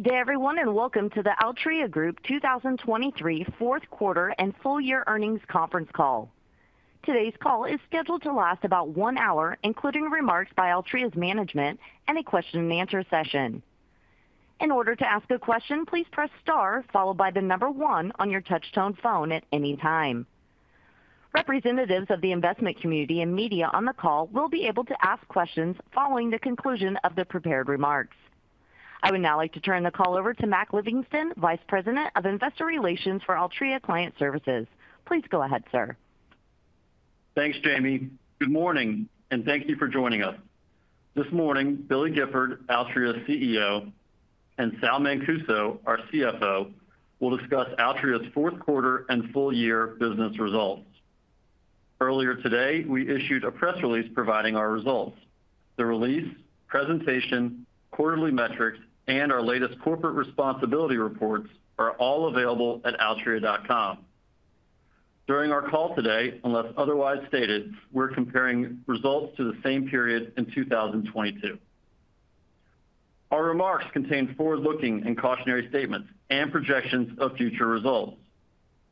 Good day, everyone, and welcome to the Altria Group 2023 fourth quarter and full year earnings conference call. Today's call is scheduled to last about one hour, including remarks by Altria's management and a question and answer session. In order to ask a question, please press star followed by the number one on your touchtone phone at any time. Representatives of the investment community and media on the call will be able to ask questions following the conclusion of the prepared remarks. I would now like to turn the call over to Mac Livingston, Vice President of Investor Relations for Altria Client Services. Please go ahead, sir. Thanks, Jamie. Good morning, and thank you for joining us. This morning, Billy Gifford, Altria's CEO, and Sal Mancuso, our CFO, will discuss Altria's fourth quarter and full year business results. Earlier today, we issued a press release providing our results. The release, presentation, quarterly metrics, and our latest corporate responsibility reports are all available at altria.com. During our call today, unless otherwise stated, we're comparing results to the same period in 2022. Our remarks contain forward-looking and cautionary statements and projections of future results.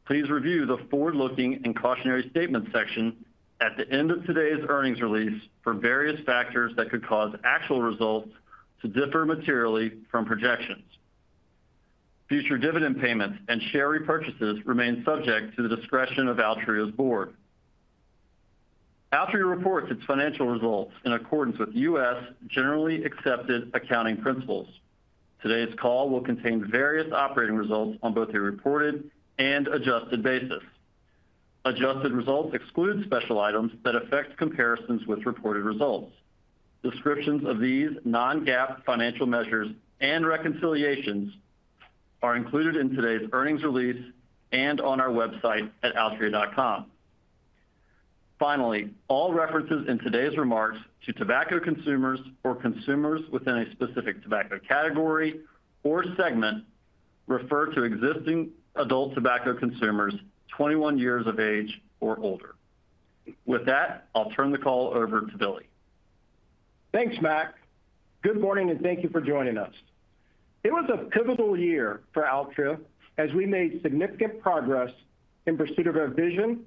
Please review the forward-looking and cautionary statements section at the end of today's earnings release for various factors that could cause actual results to differ materially from projections. Future dividend payments and share repurchases remain subject to the discretion of Altria's board. Altria reports its financial results in accordance with U.S. generally accepted accounting principles. Today's call will contain various operating results on both a reported and adjusted basis. Adjusted results exclude special items that affect comparisons with reported results. Descriptions of these non-GAAP financial measures and reconciliations are included in today's earnings release and on our website at Altria.com. Finally, all references in today's remarks to tobacco consumers or consumers within a specific tobacco category or segment refer to existing adult tobacco consumers 21 years of age or older. With that, I'll turn the call over to Billy. Thanks, Mac. Good morning, and thank you for joining us. It was a pivotal year for Altria as we made significant progress in pursuit of our vision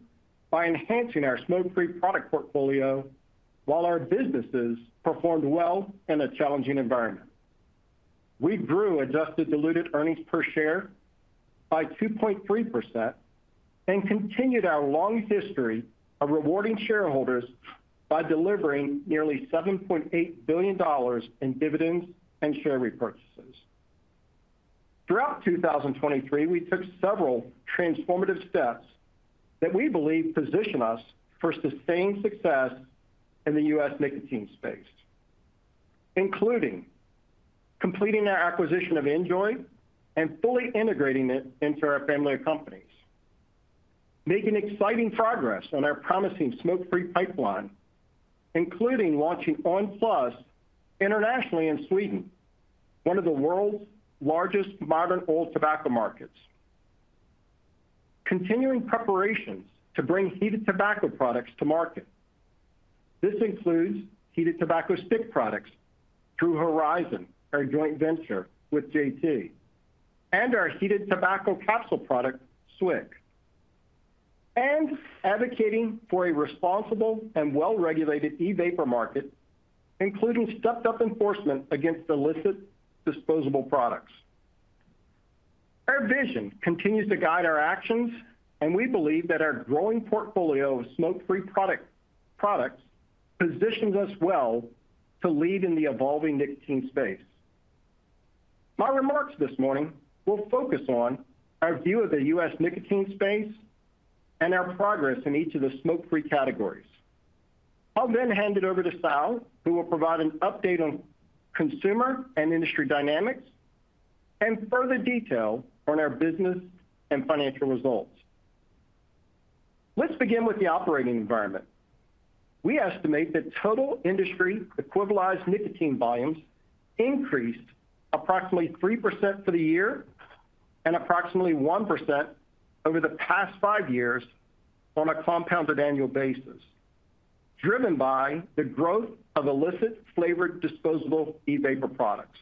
by enhancing our smoke-free product portfolio while our businesses performed well in a challenging environment. We grew adjusted diluted earnings per share by 2.3% and continued our long history of rewarding shareholders by delivering nearly $7.8 billion in dividends and share repurchases. Throughout 2023, we took several transformative steps that we believe position us for sustained success in the U.S. nicotine space, including completing our acquisition of NJOY and fully integrating it into our family of companies. Making exciting progress on our promising smoke-free on! PLUS internationally in Sweden, one of the world's largest modern oral tobacco markets. Continuing preparations to bring heated tobacco products to market. This includes heated tobacco stick products through Horizon, our joint venture with JT, and our heated tobacco capsule product, SWIC, and advocating for a responsible and well-regulated e-vapor market, including stepped-up enforcement against illicit disposable products. Our vision continues to guide our actions, and we believe that our growing portfolio of smoke-free product, products positions us well to lead in the evolving nicotine space. My remarks this morning will focus on our view of the U.S. nicotine space and our progress in each of the smoke-free categories. I'll then hand it over to Sal, who will provide an update on consumer and industry dynamics and further detail on our business and financial results. Let's begin with the operating environment. We estimate that total industry equivalized nicotine volumes increased approximately 3% for the year and approximately 1% over the past five years on a compounded annual basis, driven by the growth of illicit flavored, disposable e-vapor products.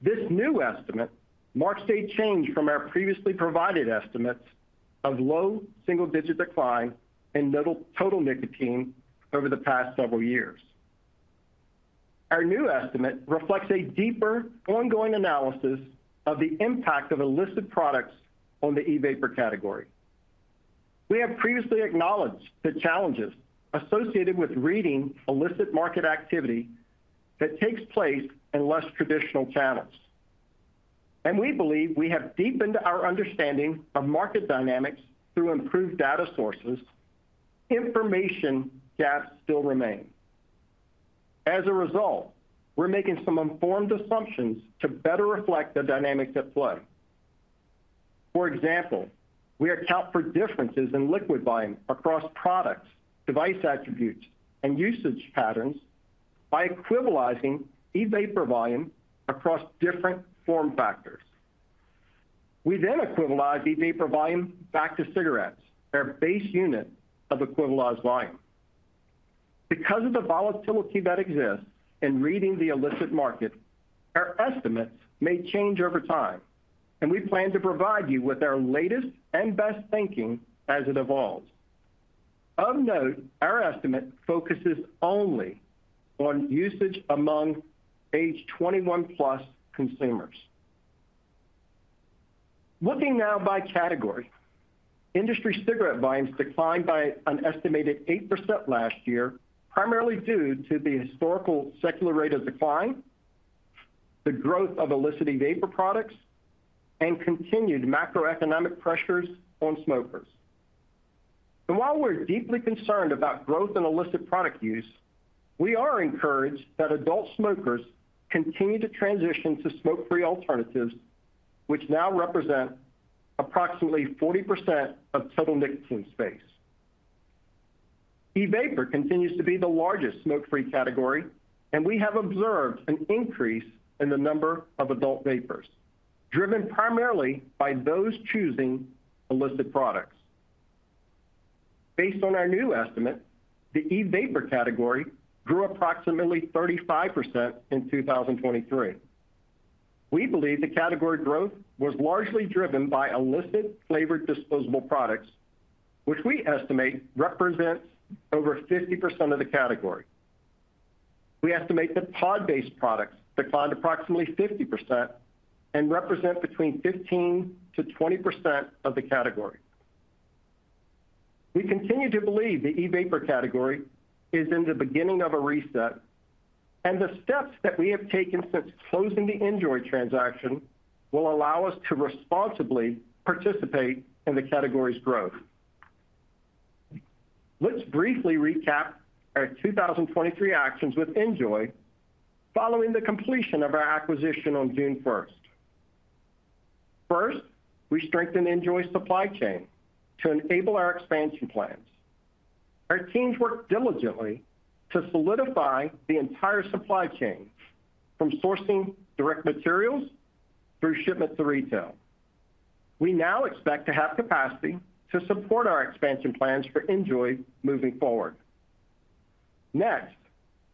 This new estimate marks a change from our previously provided estimates of low single-digit decline in total nicotine over the past several years. Our new estimate reflects a deeper, ongoing analysis of the impact of illicit products on the e-vapor category. We have previously acknowledged the challenges associated with reading illicit market activity that takes place in less traditional channels. We believe we have deepened our understanding of market dynamics through improved data sources. Information gaps still remain. As a result, we're making some informed assumptions to better reflect the dynamics at play. For example, we account for differences in liquid volume across products, device attributes, and usage patterns by equivalizing e-vapor volume across different form factors. We then equivalize e-vapor volume back to cigarettes, our base unit of equivalized volume. Because of the volatility that exists in reading the illicit market, our estimates may change over time, and we plan to provide you with our latest and best thinking as it evolves. Of note, our estimate focuses only on usage among age 21+ consumers. Looking now by category, industry cigarette volumes declined by an estimated 8% last year, primarily due to the historical secular rate of decline, the growth of illicit vapor products, and continued macroeconomic pressures on smokers. And while we're deeply concerned about growth in illicit product use, we are encouraged that adult smokers continue to transition to smoke-free alternatives, which now represent approximately 40% of total nicotine space. E-vapor continues to be the largest smoke-free category, and we have observed an increase in the number of adult vapers, driven primarily by those choosing illicit products. Based on our new estimate, the e-vapor category grew approximately 35% in 2023. We believe the category growth was largely driven by illicit flavored disposable products, which we estimate represents over 50% of the category. We estimate that pod-based products declined approximately 50% and represent between 15% to 20% of the category. We continue to believe the e-vapor category is in the beginning of a reset, and the steps that we have taken since closing the NJOY transaction will allow us to responsibly participate in the category's growth. Let's briefly recap our 2023 actions with NJOY following the completion of our acquisition on June 1st. First, we strengthened NJOY's supply chain to enable our expansion plans. Our teams worked diligently to solidify the entire supply chain, from sourcing direct materials through shipment to retail. We now expect to have capacity to support our expansion plans for NJOY moving forward. Next,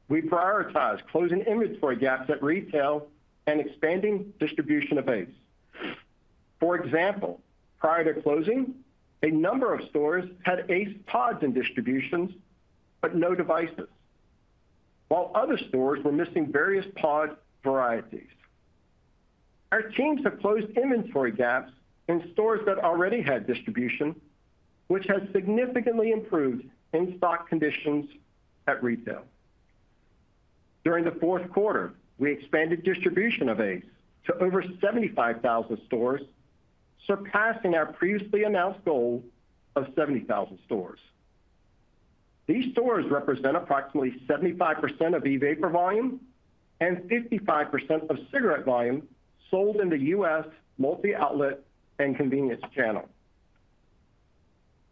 we prioritized closing inventory gaps at retail and expanding distribution of ACE. For example, prior to closing, a number of stores had ACE pods in distributions but no devices, while other stores were missing various pod varieties. Our teams have closed inventory gaps in stores that already had distribution, which has significantly improved in-stock conditions at retail. During the fourth quarter, we expanded distribution of ACE to over 75,000 stores, surpassing our previously announced goal of 70,000 stores. These stores represent approximately 75% of e-vapor volume and 55% of cigarette volume sold in the U.S. multi-outlet and convenience channel.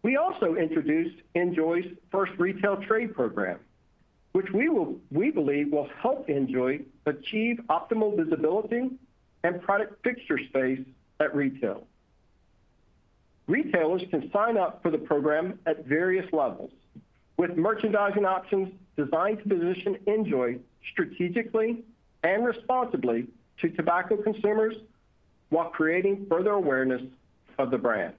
We also introduced NJOY's first retail trade program, which we believe will help NJOY achieve optimal visibility and product fixture space at retail. Retailers can sign up for the program at various levels, with merchandising options designed to position NJOY strategically and responsibly to tobacco consumers while creating further awareness of the brand.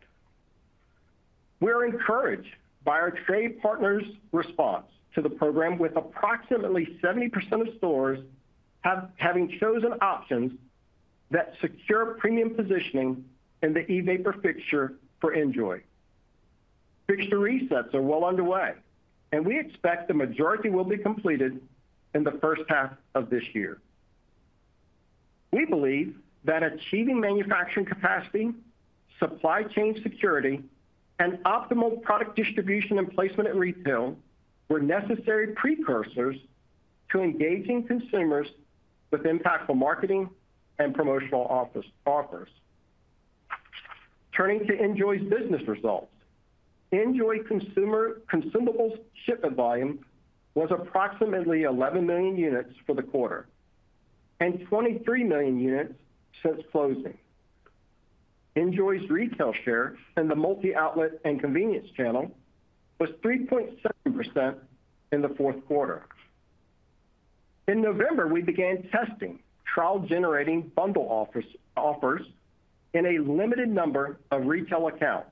We're encouraged by our trade partners' response to the program, with approximately 70% of stores having chosen options that secure premium positioning in the e-vapor fixture for NJOY. Fixture resets are well underway, and we expect the majority will be completed in the first half of this year. We believe that achieving manufacturing capacity, supply chain security, and optimal product distribution and placement at retail were necessary precursors to engaging consumers with impactful marketing and promotional offers. Turning to NJOY's business results. NJOY consumables shipment volume was approximately 11 million units for the quarter, and 23 million units since closing. NJOY's retail share in the multi-outlet and convenience channel was 3.7% in the fourth quarter. In November, we began testing trial-generating bundle offers in a limited number of retail accounts,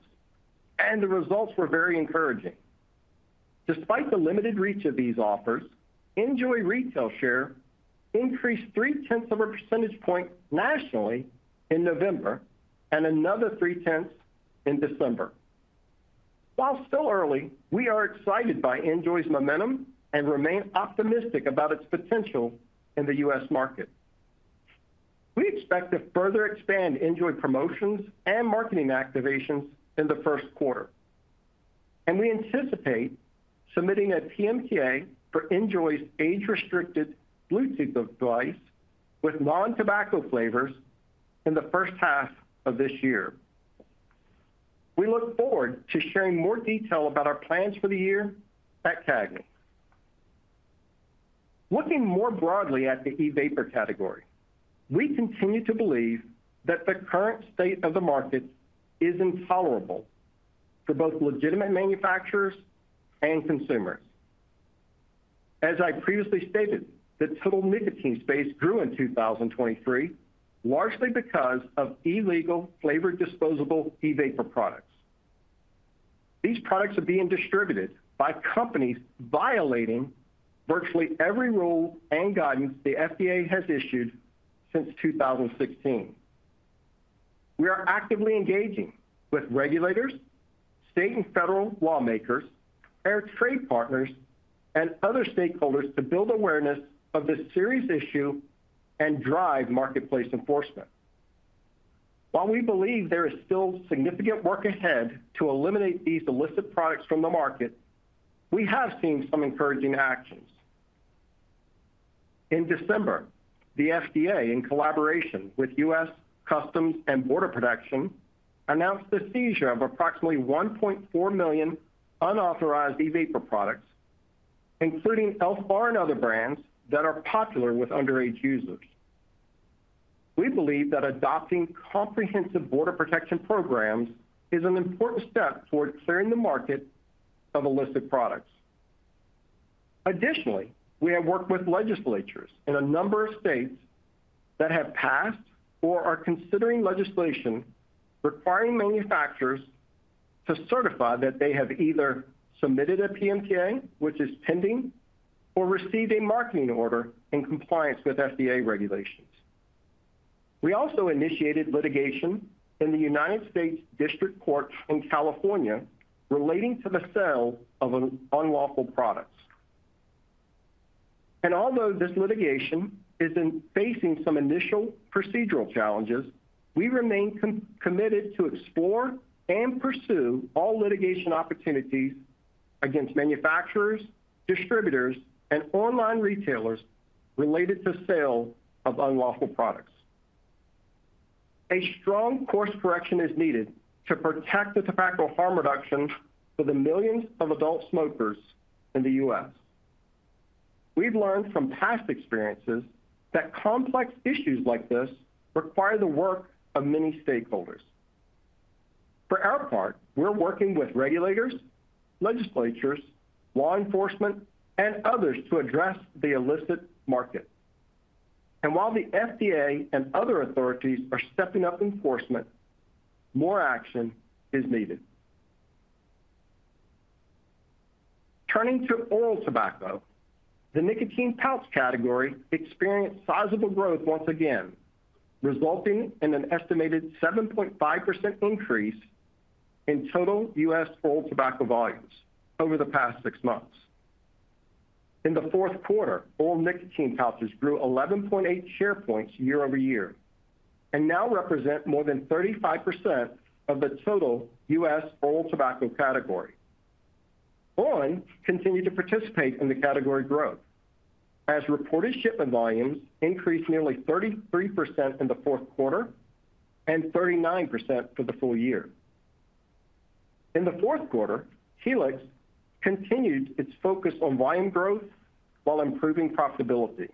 and the results were very encouraging. Despite the limited reach of these offers, NJOY retail share increased 0.3 percentage points nationally in November and another 0.3 in December. While still early, we are excited by NJOY's momentum and remain optimistic about its potential in the U.S. market. We expect to further expand NJOY promotions and marketing activations in the first quarter, and we anticipate submitting a PMTA for NJOY's age-restricted Bluetooth device with non-tobacco flavors in the first half of this year. We look forward to sharing more detail about our plans for the year at CAGNY. Looking more broadly at the e-vapor category, we continue to believe that the current state of the market is intolerable for both legitimate manufacturers and consumers. As I previously stated, the total nicotine space grew in 2023, largely because of illegal flavored disposable e-vapor products. These products are being distributed by companies violating virtually every rule and guidance the FDA has issued since 2016. We are actively engaging with regulators, state and federal lawmakers, our trade partners, and other stakeholders to build awareness of this serious issue and drive marketplace enforcement. While we believe there is still significant work ahead to eliminate these illicit products from the market, we have seen some encouraging actions. In December, the FDA, in collaboration with U.S. Customs and Border Protection, announced the seizure of approximately 1.4 million unauthorized e-vapor products, including Elf Bar and other brands that are popular with underage users. We believe that adopting comprehensive border protection programs is an important step toward clearing the market of illicit products. Additionally, we have worked with legislatures in a number of states that have passed or are considering legislation requiring manufacturers to certify that they have either submitted a PMTA, which is pending, or received a marketing order in compliance with FDA regulations. We also initiated litigation in the United States District Court in California relating to the sale of unlawful products. Although this litigation is facing some initial procedural challenges, we remain committed to explore and pursue all litigation opportunities against manufacturers, distributors, and online retailers related to sale of unlawful products. A strong course correction is needed to protect the tobacco harm reduction for the millions of adult smokers in the U.S. We've learned from past experiences that complex issues like this require the work of many stakeholders. For our part, we're working with regulators, legislatures, law enforcement, and others to address the illicit market. While the FDA and other authorities are stepping up enforcement, more action is needed. Turning to oral tobacco, the nicotine pouch category experienced sizable growth once again, resulting in an estimated 7.5% increase in total U.S. oral tobacco volumes over the past six months. In the fourth quarter, oral nicotine pouches grew 11.8 share points year-over-year, and now represent more than 35% of the total U.S. oral tobacco category. on! continued to participate in the category growth, as reported shipment volumes increased nearly 33% in the fourth quarter and 39% for the full year. In the fourth quarter, Helix continued its focus on volume growth while improving profitability.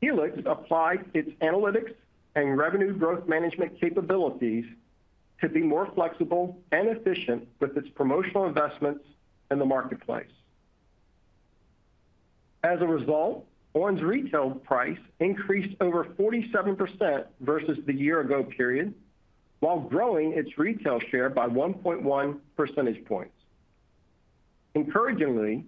Helix applied its analytics and revenue growth management capabilities to be more flexible and efficient with its promotional investments in the marketplace. As a result, on!'s retail price increased over 47% versus the year ago period, while growing its retail share by 1.1 percentage points. Encouragingly,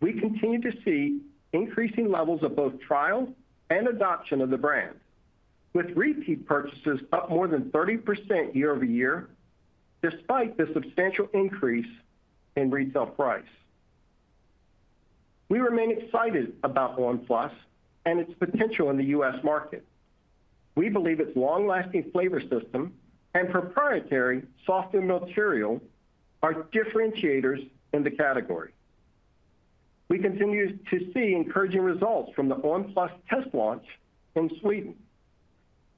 we continue to see increasing levels of both trial and adoption of the brand, with repeat purchases up more than 30% year-over-year, despite the substantial increase in retail price. We remain excited about on! PLUS and its potential in the U.S. market. We believe its long-lasting flavor system and proprietary soft material are differentiators in the category. We continue to see encouraging results on! PLUS test launch in Sweden.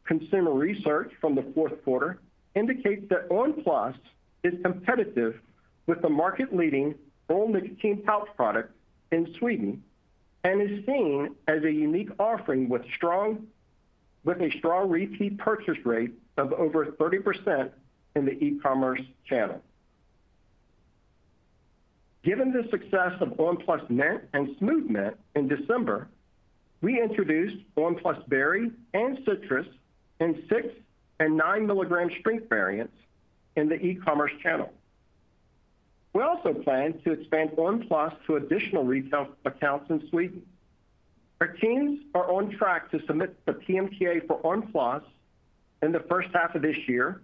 Consumer research from the fourth quarter indicate their on! PLUS is competitive with the market-leading oral nicotine pouch product in Sweden, and is seen as a unique offering with a strong repeat purchase rate of over 30% in the e-commerce channel. Given the success on! PLUS Mint and Smooth Mint in December, we introduce on! PLUS Berry and Citrus in six and nine milligram strength variants in the e-commerce channel. We also plan on! PLUS to additional retail accounts in Sweden. Our teams are on track to submit the on! PLUS in the first half of this year,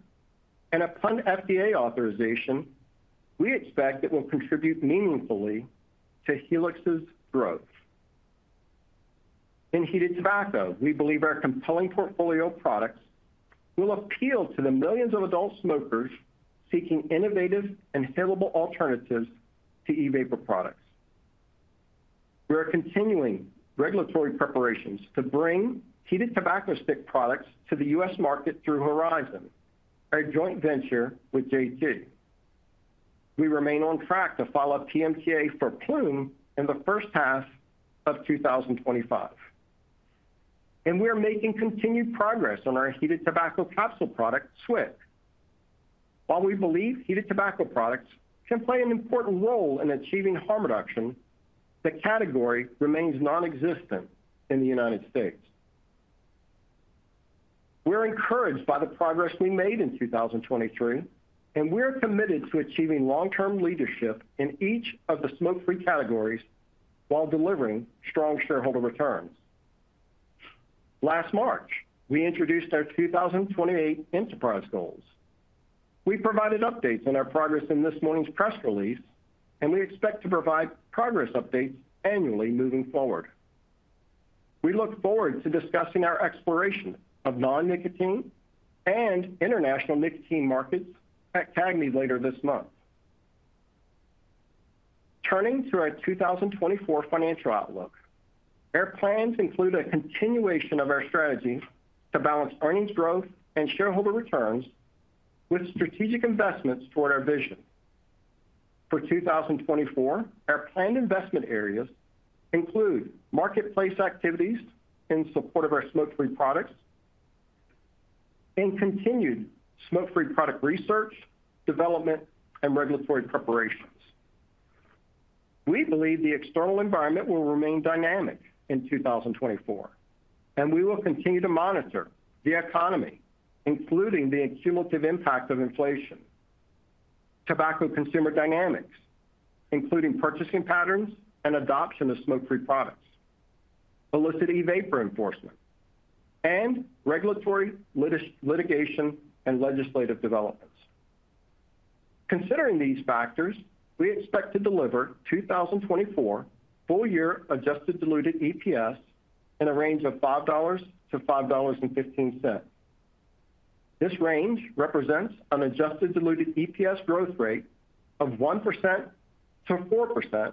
and upon FDA authorization, we expect it will contribute meaningfully to Helix's growth. In heated tobacco, we believe our compelling portfolio of products will appeal to the millions of adult smokers seeking innovative inhalable alternatives to e-vapor products. We are continuing regulatory preparations to bring heated tobacco stick products to the U.S. market through Horizon, our joint venture with JT. We remain on track to follow up PMTA for Ploom in the first half of 2025. We are making continued progress on our heated tobacco capsule product, SWIC. While we believe heated tobacco products can play an important role in achieving harm reduction, the category remains nonexistent in the United States. We're encouraged by the progress we made in 2023, and we're committed to achieving long-term leadership in each of the smoke-free categories while delivering strong shareholder returns. Last March, we introduced our 2028 enterprise goals. We provided updates on our progress in this morning's press release, and we expect to provide progress updates annually moving forward. We look forward to discussing our exploration of non-nicotine and international nicotine markets at CAGNY later this month. Turning to our 2024 financial outlook, our plans include a continuation of our strategy to balance earnings growth and shareholder returns with strategic investments toward our vision. For 2024, our planned investment areas include marketplace activities in support of our smoke-free products and continued smoke-free product research, development, and regulatory preparations. We believe the external environment will remain dynamic in 2024, and we will continue to monitor the economy, including the cumulative impact of inflation, tobacco consumer dynamics, including purchasing patterns and adoption of smoke-free products, illicit e-vapor enforcement, and regulatory litigation and legislative developments. Considering these factors, we expect to deliver 2024 full-year Adjusted Diluted EPS in a range of $5 to $5.15. This range represents an Adjusted Diluted EPS growth rate of 1% to 4%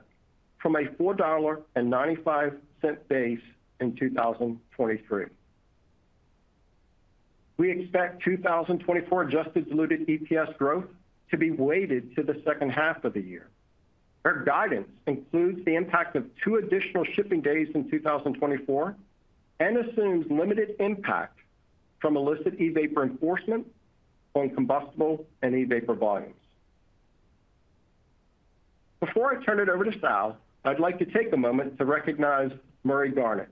from a $4.95 base in 2023. We expect 2024 adjusted diluted EPS growth to be weighted to the second half of the year. Our guidance includes the impact of two additional shipping days in 2024 and assumes limited impact from illicit e-vapor enforcement on combustible and e-vapor volumes. Before I turn it over to Sal, I'd like to take a moment to recognize Murray Garnick,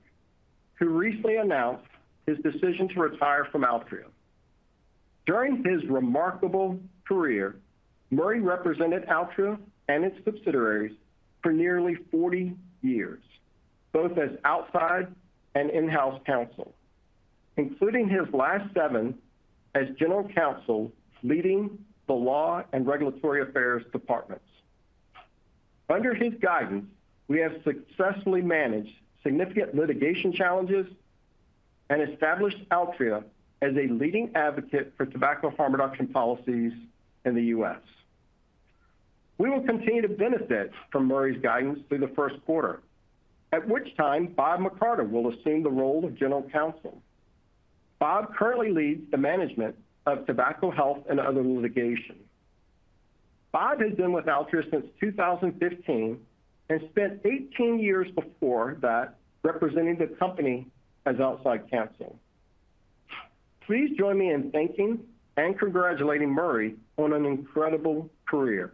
who recently announced his decision to retire from Altria. During his remarkable career, Murray represented Altria and its subsidiaries for nearly 40 years, both as outside and in-house counsel, including his last seven as General Counsel, leading the law and regulatory affairs departments. Under his guidance, we have successfully managed significant litigation challenges and established Altria as a leading advocate for tobacco harm reduction policies in the U.S. We will continue to benefit from Murray's guidance through the first quarter, at which time Bob McCarter will assume the role of General Counsel. Bob currently leads the management of tobacco, health, and other litigation. Bob has been with Altria since 2015, and spent 18 years before that representing the company as outside counsel. Please join me in thanking and congratulating Murray on an incredible career,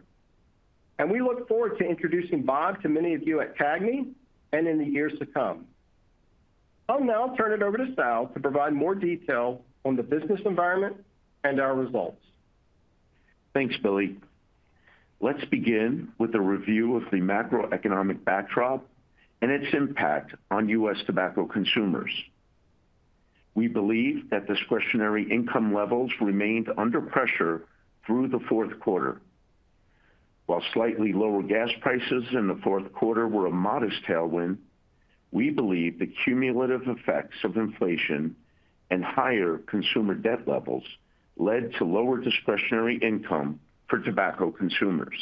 and we look forward to introducing Bob to many of you at CAGNY and in the years to come. I'll now turn it over to Sal to provide more detail on the business environment and our results. Thanks, Billy. Let's begin with a review of the macroeconomic backdrop and its impact on U.S. tobacco consumers. We believe that discretionary income levels remained under pressure through the fourth quarter. While slightly lower gas prices in the fourth quarter were a modest tailwind, we believe the cumulative effects of inflation and higher consumer debt levels led to lower discretionary income for tobacco consumers.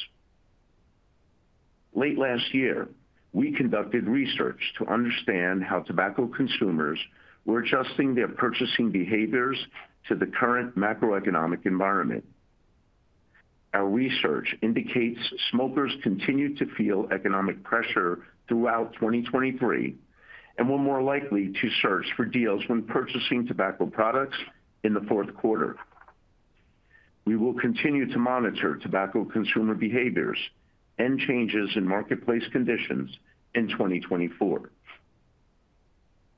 Late last year, we conducted research to understand how tobacco consumers were adjusting their purchasing behaviors to the current macroeconomic environment. Our research indicates smokers continued to feel economic pressure throughout 2023 and were more likely to search for deals when purchasing tobacco products in the fourth quarter. We will continue to monitor tobacco consumer behaviors and changes in marketplace conditions in 2024.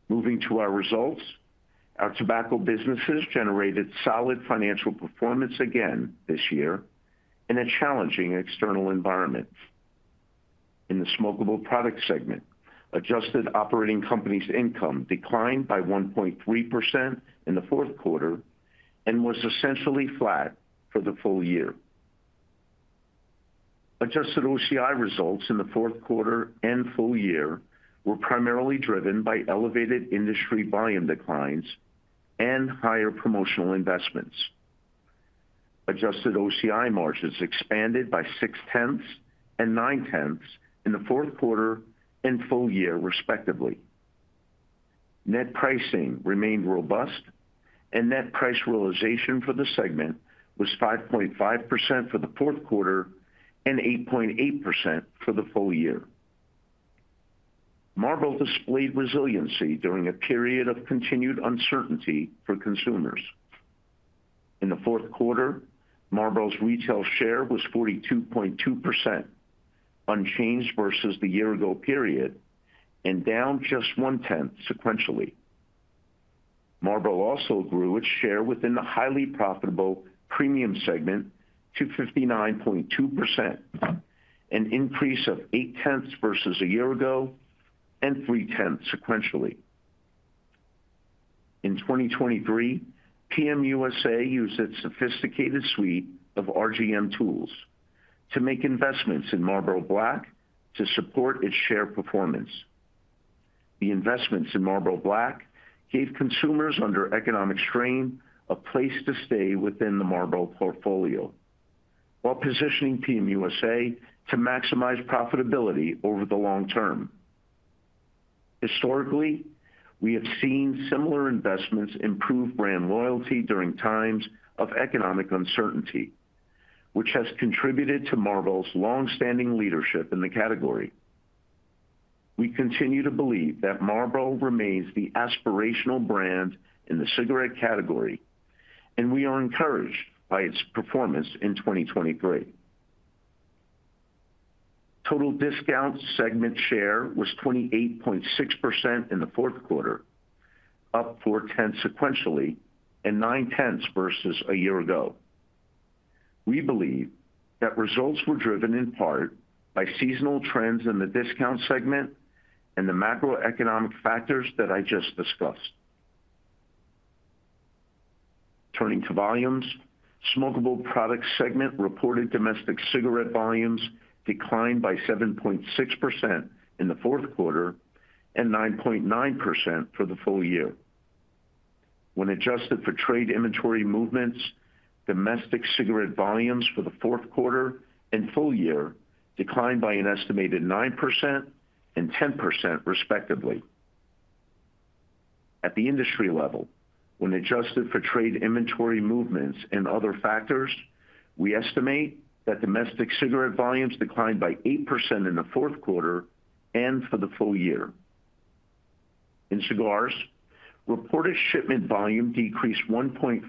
Moving to our results, our tobacco businesses generated solid financial performance again this year in a challenging external environment. In the smokable product segment, adjusted operating companies' income declined by 1.3% in the fourth quarter and was essentially flat for the full year. Adjusted OCI results in the fourth quarter and full year were primarily driven by elevated industry volume declines and higher promotional investments. Adjusted OCI margins expanded by 0.6 and 0.9 in the fourth quarter and full year, respectively. Net pricing remained robust, and net price realization for the segment was 5.5% for the fourth quarter and 8.8% for the full year. Marlboro displayed resiliency during a period of continued uncertainty for consumers. In the fourth quarter, Marlboro's retail share was 42.2%, unchanged versus the year-ago period, and down just 0.1 sequentially. Marlboro also grew its share within the highly profitable premium segment to 59.2%, an increase of 0.8 versus a year ago and 0.3 sequentially. In 2023, PM USA used its sophisticated suite of RGM tools to make investments in Marlboro Black to support its share performance. The investments in Marlboro Black gave consumers under economic strain a place to stay within the Marlboro portfolio, while positioning PM USA to maximize profitability over the long term. Historically, we have seen similar investments improve brand loyalty during times of economic uncertainty, which has contributed to Marlboro's long-standing leadership in the category. We continue to believe that Marlboro remains the aspirational brand in the cigarette category, and we are encouraged by its performance in 2023. Total discount segment share was 28.6% in the fourth quarter, up 0.4 sequentially and 0.9 versus a year ago. We believe that results were driven in part by seasonal trends in the discount segment and the macroeconomic factors that I just discussed. Turning to volumes, smokable product segment reported domestic cigarette volumes declined by 7.6% in the fourth quarter and 9.9% for the full year. When adjusted for trade inventory movements, domestic cigarette volumes for the fourth quarter and full year declined by an estimated 9% and 10%, respectively. At the industry level, when adjusted for trade inventory movements and other factors, we estimate that domestic cigarette volumes declined by 8% in the fourth quarter and for the full year. In cigars, reported shipment volume decreased 1.4%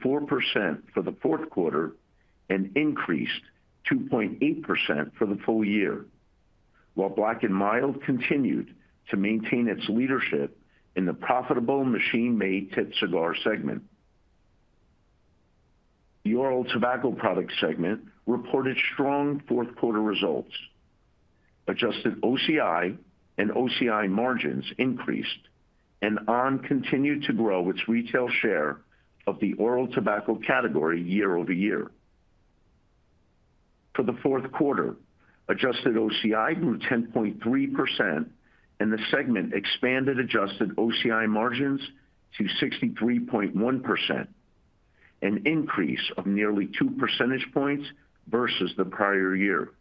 for the fourth quarter and increased 2.8% for the full year, while Black & Mild continued to maintain its leadership in the profitable machine-made tipped cigar segment. The oral tobacco products segment reported strong fourth quarter results. Adjusted OCI and OCI margins increased, and on continued to grow its retail share of the oral tobacco category year-over-year. For the fourth quarter, adjusted OCI grew 10.3% and the segment expanded adjusted OCI margins to 63.1%, an increase of nearly two percentage points versus the prior year.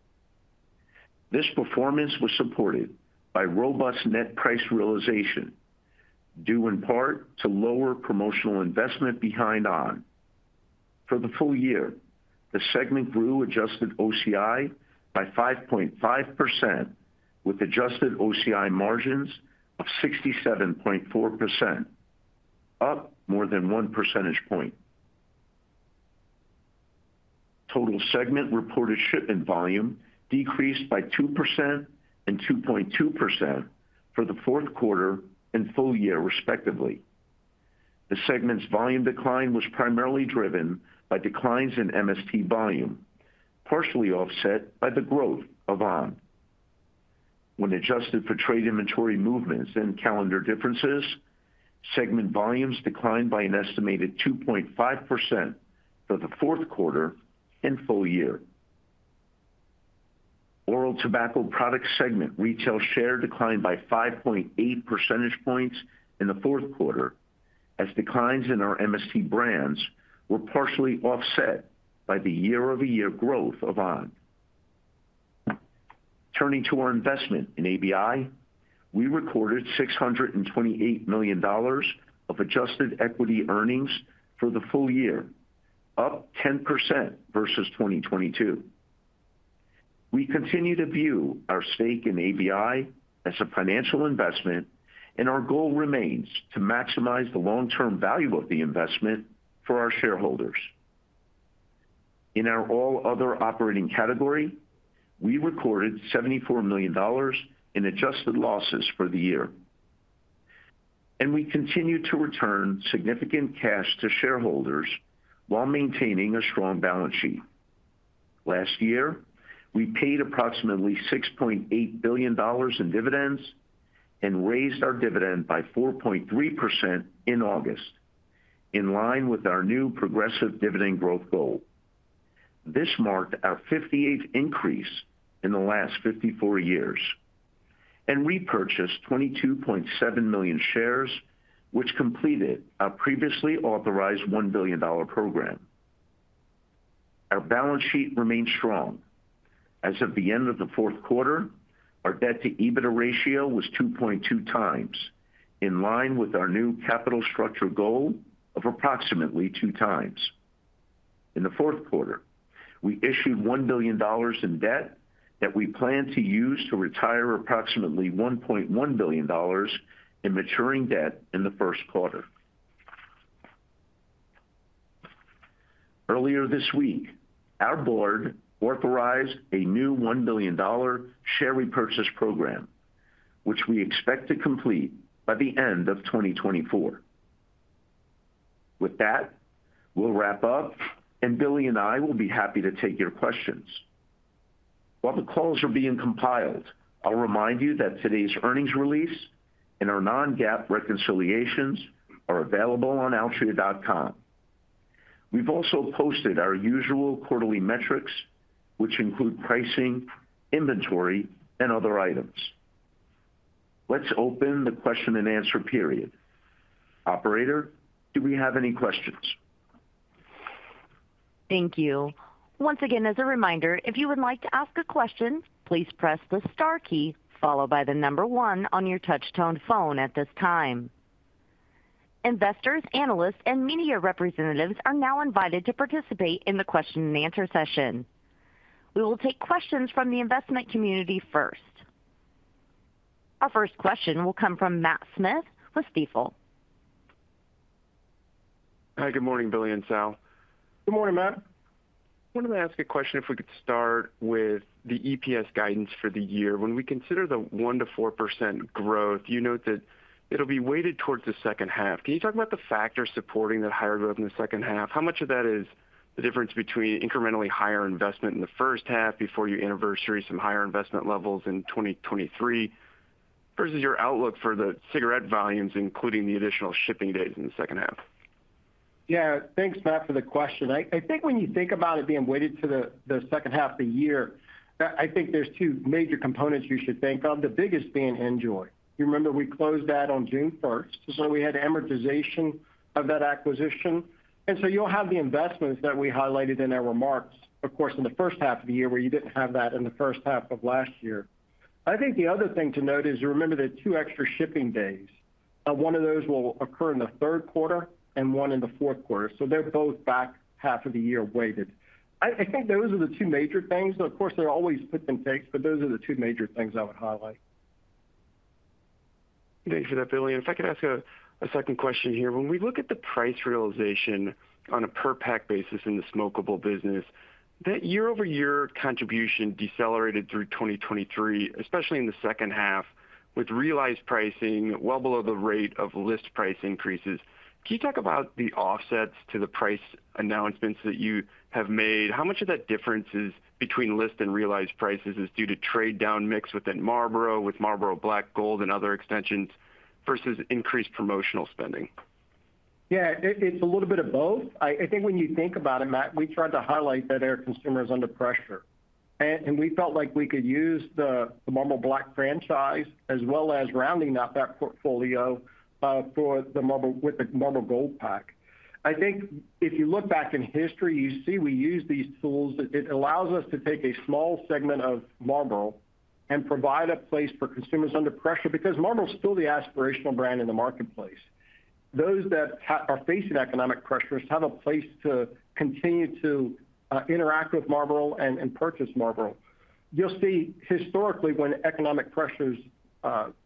This performance was supported by robust net price realization, due in part to lower promotional investment behind on!. For the full year, the segment grew adjusted OCI by 5.5%, with adjusted OCI margins of 67.4%, up more than one percentage point. Total segment reported shipment volume decreased by 2% and 2.2% for the fourth quarter and full year, respectively. The segment's volume decline was primarily driven by declines in MST volume, partially offset by the growth of on!. When adjusted for trade inventory movements and calendar differences, segment volumes declined by an estimated 2.5% for the fourth quarter and full year. Oral tobacco products segment retail share declined by 5.8 percentage points in the fourth quarter, as declines in our MST brands were partially offset by the year-over-year growth of on!. Turning to our investment in ABI, we recorded $628 million of adjusted equity earnings for the full year, up 10% versus 2022. We continue to view our stake in ABI as a financial investment, and our goal remains to maximize the long-term value of the investment for our shareholders. In our all other operating category, we recorded $74 million in adjusted losses for the year, and we continued to return significant cash to shareholders while maintaining a strong balance sheet. Last year, we paid approximately $6.8 billion in dividends and raised our dividend by 4.3% in August, in line with our new progressive dividend growth goal. This marked our 58th increase in the last 54 years, and repurchased 22.7 million shares, which completed our previously authorized $1 billion program. Our balance sheet remains strong. As of the end of the fourth quarter, our debt to EBITDA ratio was 2.2 times, in line with our new capital structure goal of approximately two times. In the fourth quarter, we issued $1 billion in debt that we plan to use to retire approximately $1.1 billion in maturing debt in the first quarter. Earlier this week, our board authorized a new $1 billion share repurchase program, which we expect to complete by the end of 2024. With that, we'll wrap up, and Billy and I will be happy to take your questions. While the calls are being compiled, I'll remind you that today's earnings release and our non-GAAP reconciliations are available on altria.com. We've also posted our usual quarterly metrics, which include pricing, inventory, and other items. Let's open the question and answer period. Operator, do we have any questions? Thank you. Once again, as a reminder, if you would like to ask a question, please press the star key followed by the number one on your touch tone phone at this time. Investors, analysts, and media representatives are now invited to participate in the question and answer session. We will take questions from the investment community first. Our first question will come from Matt Smith with Stifel. Hi, good morning, Billy and Sal. Good morning, Matt. I wanted to ask a question, if we could start with the EPS guidance for the year. When we consider the 1% to 4% growth, you note that it'll be weighted towards the second half. Can you talk about the factors supporting that higher growth in the second half? How much of that is the difference between incrementally higher investment in the first half before you anniversary some higher investment levels in 2023, versus your outlook for the cigarette volumes, including the additional shipping days in the second half? Yeah. Thanks, Matt, for the question. I think when you think about it being weighted to the second half of the year, I think there's two major components you should think of, the biggest being NJOY. You remember we closed that on June first, so we had amortization of that acquisition. And so you'll have the investments that we highlighted in our remarks, of course, in the first half of the year, where you didn't have that in the first half of last year. I think the other thing to note is, remember the two extra shipping days. One of those will occur in the third quarter and one in the fourth quarter, so they're both back half of the year weighted. I think those are the two major things. Of course, they're always put in takes, but those are the two major things I would highlight. Thanks for that, Billy. If I could ask a second question here. When we look at the price realization on a per pack basis in the smokable business, that year-over-year contribution decelerated through 2023, especially in the second half, with realized pricing well below the rate of list price increases. Can you talk about the offsets to the price announcements that you have made? How much of that difference is between list and realized prices is due to trade down mix within Marlboro, with Marlboro Black Gold and other extensions, versus increased promotional spending? Yeah, it's a little bit of both. I think when you think about it, Matt, we tried to highlight that our consumer is under pressure, and we felt like we could use the Marlboro Black franchise, as well as rounding out that portfolio, for the Marlboro with the Marlboro Gold pack. I think if you look back in history, you see we use these tools. It allows us to take a small segment of Marlboro and provide a place for consumers under pressure, because Marlboro is still the aspirational brand in the marketplace. Those that are facing economic pressures have a place to continue to interact with Marlboro and purchase Marlboro. You'll see historically, when economic pressures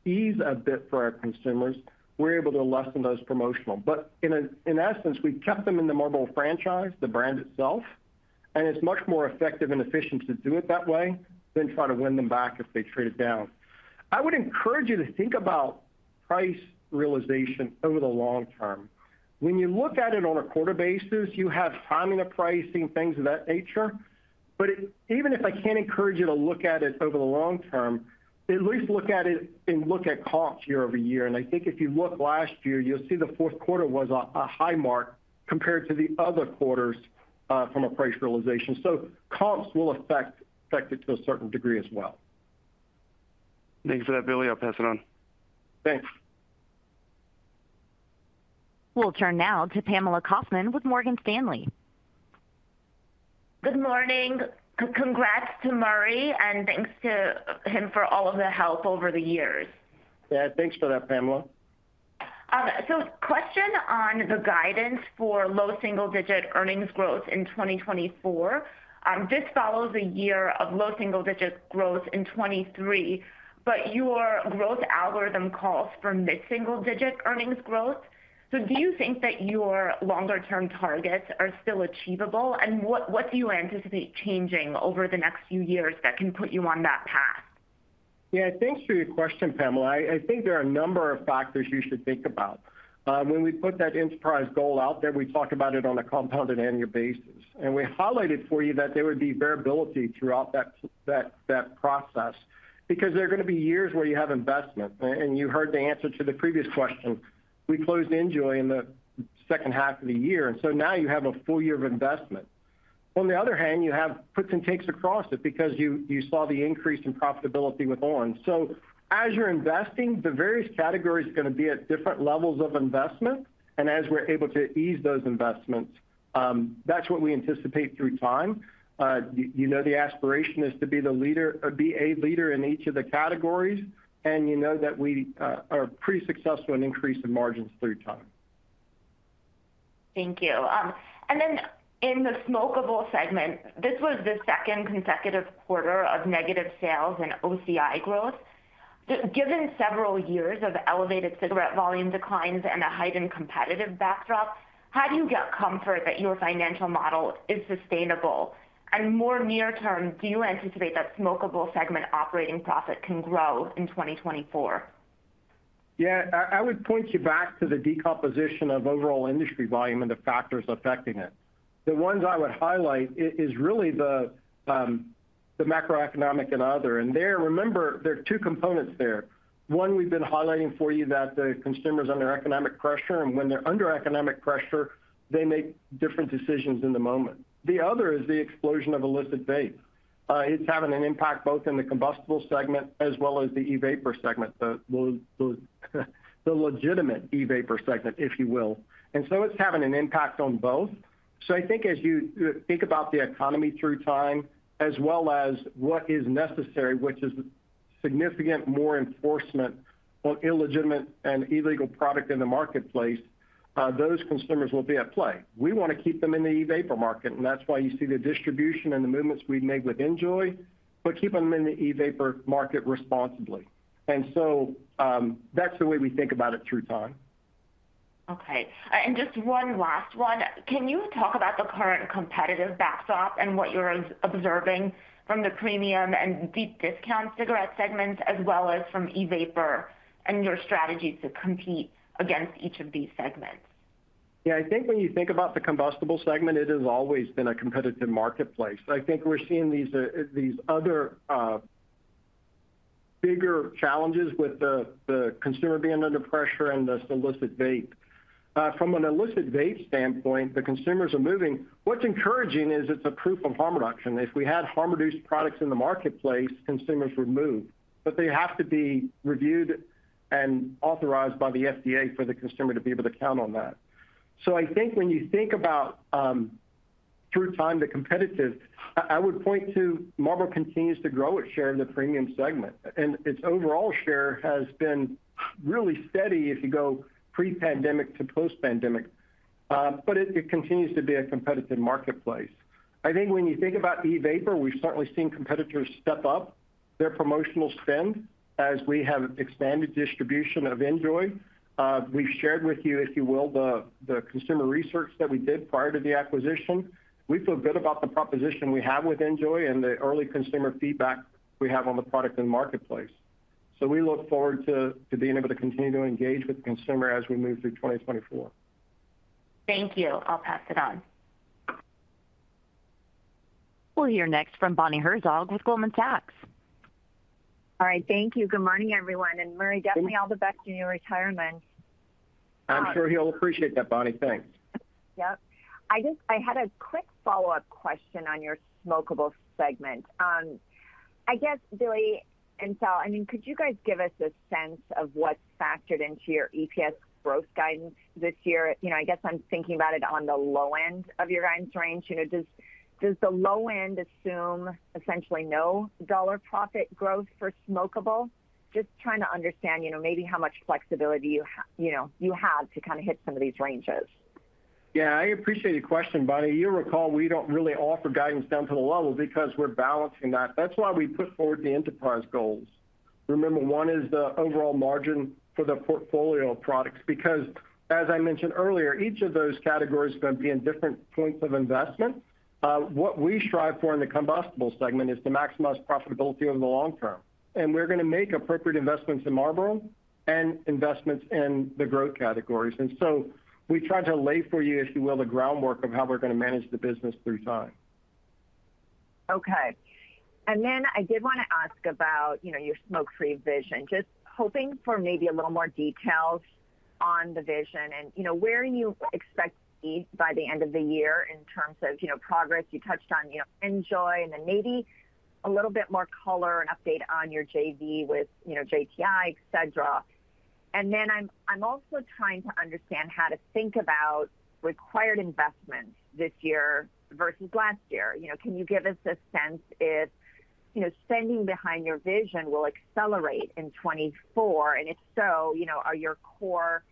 ease a bit for our consumers, we're able to lessen those promotional. But in essence, we've kept them in the Marlboro franchise, the brand itself, and it's much more effective and efficient to do it that way than try to win them back if they trade it down. I would encourage you to think about price realization over the long term. When you look at it on a quarter basis, you have timing of pricing, things of that nature. But even if I can't encourage you to look at it over the long term, at least look at it and look at comps year-over-year. And I think if you look last year, you'll see the fourth quarter was a high mark compared to the other quarters from a price realization. So comps will affect it to a certain degree as well. Thanks for that, Billy. I'll pass it on. Thanks. We'll turn now to Pamela Kaufman with Morgan Stanley. Good morning. Congrats to Murray, and thanks to him for all of the help over the years. Yeah, thanks for that, Pamela. So question on the guidance for low single-digit earnings growth in 2024. This follows a year of low single-digit growth in 2023, but your growth algorithm calls for mid-single-digit earnings growth. So do you think that your longer-term targets are still achievable? And what do you anticipate changing over the next few years that can put you on that path? Yeah, thanks for your question, Pamela. I think there are a number of factors you should think about. When we put that enterprise goal out there, we talked about it on a compounded annual basis. And we highlighted for you that there would be variability throughout that process, because there are going to be years where you have investment, and you heard the answer to the previous question. We closed NJOY in the second half of the year, and so now you have a full year of investment. On the other hand, you have puts and takes across it because you saw the increase in profitability with on!. So as you're investing, the various categories are going to be at different levels of investment. And as we're able to ease those investments, that's what we anticipate through time. You know, the aspiration is to be the leader or be a leader in each of the categories, and you know that we are pretty successful in increasing margins through time. Thank you. And then in the smokable segment, this was the second consecutive quarter of negative sales and OCI growth. Given several years of elevated cigarette volume declines and a heightened competitive backdrop, how do you get comfort that your financial model is sustainable? And more near term, do you anticipate that smokable segment operating profit can grow in 2024? Yeah, I would point you back to the decomposition of overall industry volume and the factors affecting it. The ones I would highlight is really the macroeconomic and other. And there, remember, there are two components there. One, we've been highlighting for you that the consumer's under economic pressure, and when they're under economic pressure, they make different decisions in the moment. The other is the explosion of illicit vape. It's having an impact both in the combustible segment as well as the e-vapor segment, well, the legitimate e-vapor segment, if you will. And so it's having an impact on both. So I think as you think about the economy through time, as well as what is necessary, which is significant more enforcement on illegitimate and illegal product in the marketplace, those consumers will be at play. We want to keep them in the e-vapor market, and that's why you see the distribution and the movements we've made with NJOY, but keep them in the e-vapor market responsibly. And so, that's the way we think about it through time. Okay, and just one last one. Can you talk about the current competitive backdrop and what you're observing from the premium and deep discount cigarette segments, as well as from e-vapor, and your strategy to compete against each of these segments? Yeah, I think when you think about the combustible segment, it has always been a competitive marketplace. I think we're seeing these, these other, bigger challenges with the, the consumer being under pressure and this illicit vape. From an illicit vape standpoint, the consumers are moving. What's encouraging is it's a proof of harm reduction. If we had harm-reduced products in the marketplace, consumers would move, but they have to be reviewed and authorized by the FDA for the consumer to be able to count on that. So I think when you think about, through time to competitive, I, I would point to Marlboro continues to grow its share in the premium segment, and its overall share has been really steady if you go pre-pandemic to post-pandemic. But it, it continues to be a competitive marketplace. I think when you think about e-vapor, we've certainly seen competitors step up their promotional spend as we have expanded distribution of NJOY. We've shared with you, if you will, the consumer research that we did prior to the acquisition. We feel good about the proposition we have with NJOY and the early consumer feedback we have on the product and marketplace. So we look forward to being able to continue to engage with the consumer as we move through 2024. Thank you. I'll pass it on. We'll hear next from Bonnie Herzog with Goldman Sachs. All right, thank you. Good morning, everyone, and Murray, definitely all the best in your retirement. I'm sure he'll appreciate that, Bonnie. Thanks. Yep. I just had a quick follow-up question on your smokable segment. I guess, Billy and Sal, I mean, could you guys give us a sense of what's factored into your EPS growth guidance this year? You know, I guess I'm thinking about it on the low end of your guidance range. You know, does the low end assume essentially no dollar profit growth for smokable? Just trying to understand, you know, maybe how much flexibility you have to kind of hit some of these ranges. Yeah, I appreciate your question, Bonnie. You recall, we don't really offer guidance down to the level because we're balancing that. That's why we put forward the enterprise goals. Remember, one is the overall margin for the portfolio of products, because, as I mentioned earlier, each of those categories are going to be in different points of investment. What we strive for in the combustible segment is to maximize profitability over the long term, and we're going to make appropriate investments in Marlboro and investments in the growth categories. And so we try to lay for you, if you will, the groundwork of how we're going to manage the business through time. Okay. And then I did want to ask about, you know, your smoke-free vision. Just hoping for maybe a little more details on the vision and, you know, where you expect to be by the end of the year in terms of, you know, progress. You touched on, you know, NJOY, and then maybe a little bit more color and update on your JV with, you know, JTI, et cetera. And then I'm also trying to understand how to think about required investment this year versus last year. You know, can you give us a sense if, you know, standing behind your vision will accelerate in 2024? And if so, you know, are your core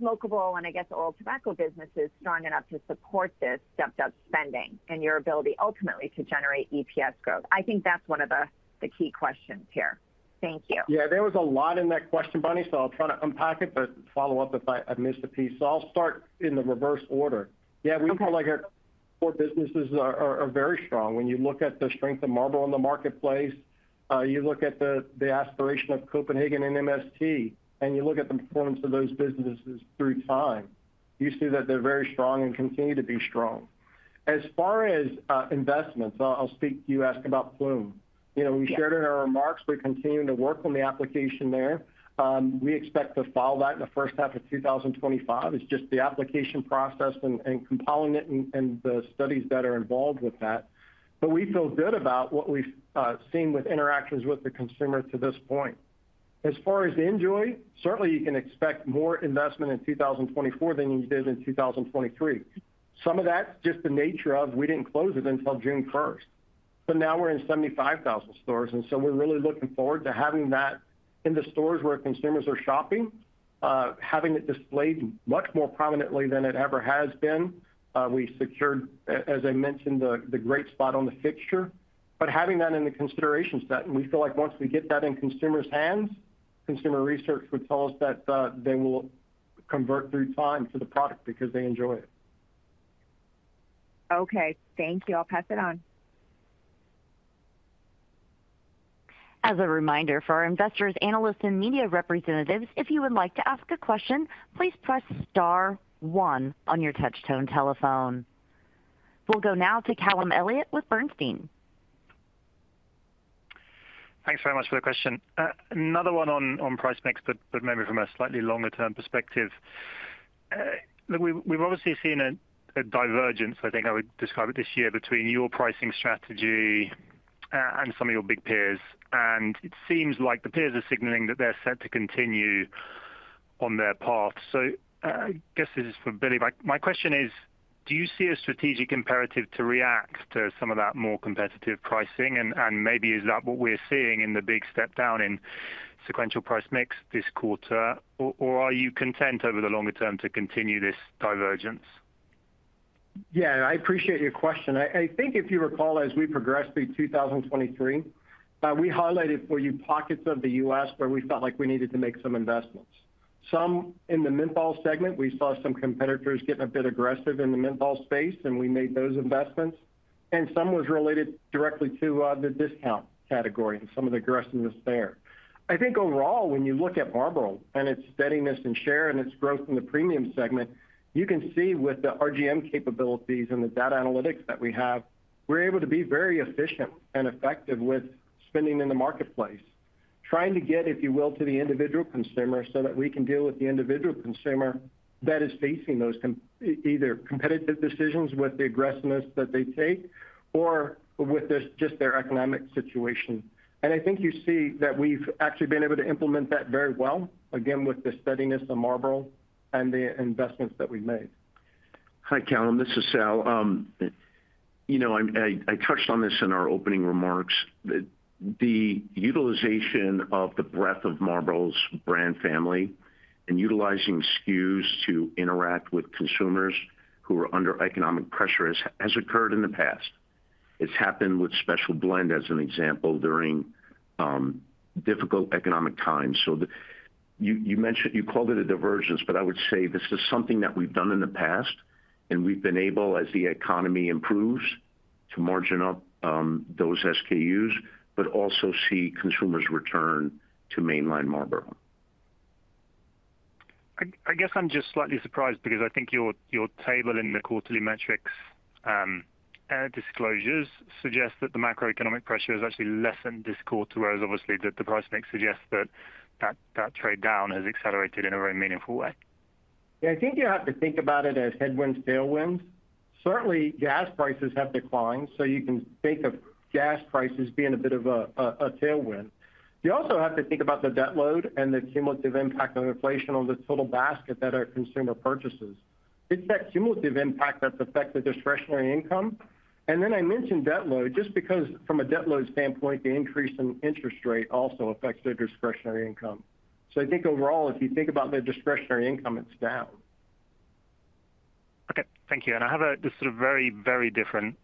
smokable and, I guess, oil tobacco businesses strong enough to support this stepped-up spending and your ability ultimately to generate EPS growth? I think that's one of the key questions here. Thank you. Yeah, there was a lot in that question, Bonnie, so I'll try to unpack it, but follow up if I've missed a piece. So I'll start in the reverse order. Okay. Yeah, we feel like our core businesses are very strong. When you look at the strength of Marlboro in the marketplace, you look at the aspiration of Copenhagen and MST, and you look at the performance of those businesses through time, you see that they're very strong and continue to be strong. As far as investments, I'll speak to you asking about Ploom. You know, we shared in our remarks, we're continuing to work on the application there. We expect to file that in the first half of 2025. It's just the application process and compiling it and the studies that are involved with that. But we feel good about what we've seen with interactions with the consumer to this point. As far as NJOY, certainly you can expect more investment in 2024 than you did in 2023. Some of that, just the nature of we didn't close it until June first, but now we're in 75,000 stores, and so we're really looking forward to having that in the stores where consumers are shopping, having it displayed much more prominently than it ever has been. We secured, as I mentioned, the great spot on the fixture. But having that in the considerations that we feel like once we get that in consumers' hands, consumer research would tell us that, they will convert through time to the product because they enjoy it. Okay, thank you. I'll pass it on. As a reminder for our investors, analysts, and media representatives, if you would like to ask a question, please press star one on your touch tone telephone. We'll go now to Callum Elliott with Bernstein. Thanks very much for the question. Another one on price mix, but maybe from a slightly longer term perspective. We've obviously seen a divergence, I think I would describe it this year, between your pricing strategy and some of your big peers. And it seems like the peers are signaling that they're set to continue on their path. So I guess this is for Billy. My question is, do you see a strategic imperative to react to some of that more competitive pricing? And maybe is that what we're seeing in the big step down in sequential price mix this quarter? Or are you content over the longer term to continue this divergence? Yeah, I appreciate your question. I think if you recall, as we progressed through 2023, we highlighted for you pockets of the U.S. where we felt like we needed to make some investments. Some in the menthol segment, we saw some competitors getting a bit aggressive in the menthol space, and we made those investments. And some was related directly to the discount category and some of the aggressiveness there. I think overall, when you look at Marlboro and its steadiness and share and its growth in the premium segment, you can see with the RGM capabilities and the data analytics that we have, we're able to be very efficient and effective with spending in the marketplace. Trying to get, if you will, to the individual consumer so that we can deal with the individual consumer that is facing those competitive decisions with the aggressiveness that they take or with just their economic situation. I think you see that we've actually been able to implement that very well, again, with the steadiness of Marlboro and the investments that we've made. Hi, Callum, this is Sal. You know, I touched on this in our opening remarks. The utilization of the breadth of Marlboro's brand family and utilizing SKUs to interact with consumers who are under economic pressure has occurred in the past. It's happened with Special Blend, as an example, during difficult economic times. You mentioned you called it a divergence, but I would say this is something that we've done in the past, and we've been able, as the economy improves, to margin up those SKUs, but also see consumers return to mainline Marlboro. I guess I'm just slightly surprised because I think your table in the quarterly metrics and disclosures suggest that the macroeconomic pressure has actually lessened this quarter, whereas obviously the price mix suggests that trade down has accelerated in a very meaningful way. Yeah, I think you have to think about it as headwinds, tailwinds. Certainly, gas prices have declined, so you can think of gas prices being a bit of a tailwind. You also have to think about the debt load and the cumulative impact of inflation on the total basket that our consumer purchases. It's that cumulative impact that's affected discretionary income. And then I mentioned debt load, just because from a debt load standpoint, the increase in interest rate also affects their discretionary income. So I think overall, if you think about their discretionary income, it's down. Okay, thank you. And I have a just sort of very, very different,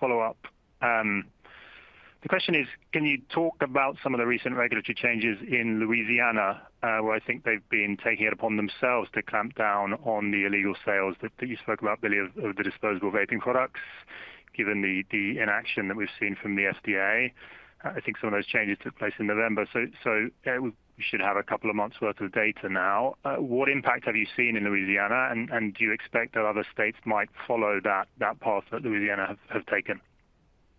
follow-up. The question is, can you talk about some of the recent regulatory changes in Louisiana, where I think they've been taking it upon themselves to clamp down on the illegal sales that you spoke about, Billy, of the disposable vaping products, given the inaction that we've seen from the FDA? I think some of those changes took place in November, we should have a couple of months' worth of data now. What impact have you seen in Louisiana, and do you expect that other states might follow that path that Louisiana have taken?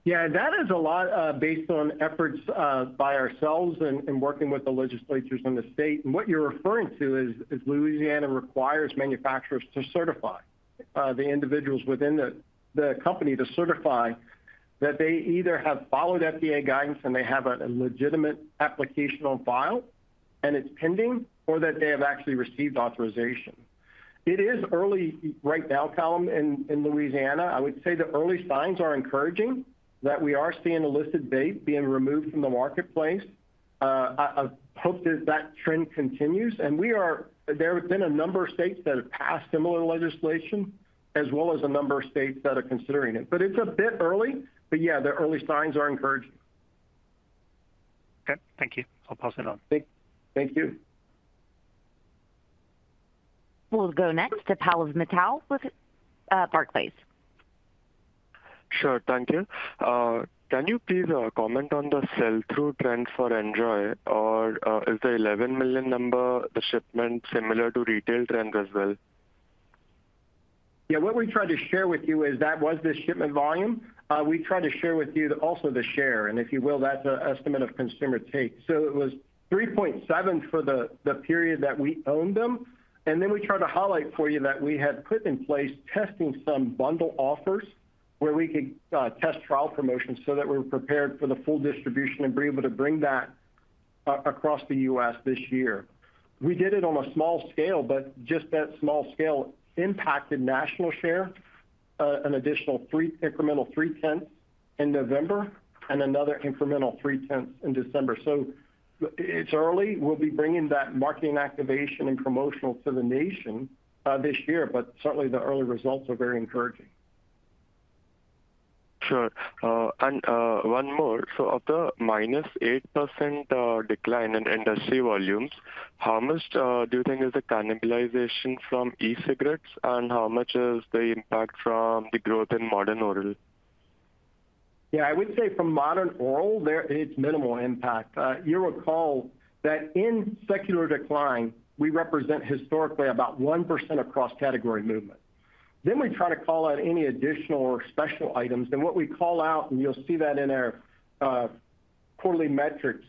Yeah, that is a lot, based on efforts by ourselves and working with the legislatures in the state. And what you're referring to is Louisiana requires manufacturers to certify the individuals within the company to certify that they either have followed FDA guidance and they have a legitimate application on file, and it's pending, or that they have actually received authorization. It is early right now, Callum, in Louisiana. I would say the early signs are encouraging, that we are seeing illicit vape being removed from the marketplace. I hope that trend continues, there have been a number of states that have passed similar legislation, as well as a number of states that are considering it. But it's a bit early, but yeah, the early signs are encouraging. Okay, thank you. I'll pass it on. Thank you. We'll go next to Pallav Mittal with Barclays. Sure. Thank you. Can you please comment on the sell-through trend for NJOY? Or, is the 11 million number the shipment similar to retail trend as well? Yeah, what we tried to share with you is that was the shipment volume. We tried to share with you also the share, and if you will, that's an estimate of consumer take. So it was 3.7 for the period that we owned them, and then we tried to highlight for you that we had put in place testing some bundle offers where we could test trial promotions so that we're prepared for the full distribution and be able to bring that across the U.S. this year. We did it on a small scale, but just that small scale impacted national share, an additional 0.3, incremental 0.3 in November and another incremental 0.3 in December. So it's early. We'll be bringing that marketing activation and promotional to the nation this year, but certainly the early results are very encouraging. Sure. And one more. So of the -8% decline in industry volumes, how much do you think is the cannibalization from e-cigarettes, and how much is the impact from the growth in modern oral? Yeah, I would say from modern oral, there it's minimal impact. You'll recall that in secular decline, we represent historically about 1% across category movement. Then we try to call out any additional or special items, and what we call out, and you'll see that in our quarterly metrics,